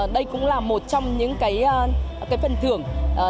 đây cũng là một trong những phần thưởng